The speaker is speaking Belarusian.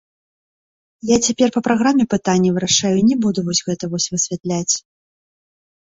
Я цяпер па праграме пытанні вырашаю і не буду вось гэта вось высвятляць.